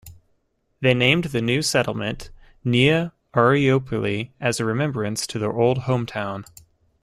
They named the new settlement "Nea Argyroupolis" as a remembrance to their old hometown.